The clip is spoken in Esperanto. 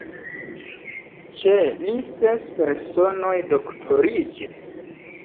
Ĉe li ses personoj doktoriĝis.